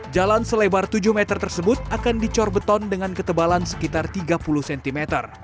jalan selebar tujuh meter tersebut akan dicor beton dengan ketebalan sekitar tiga puluh cm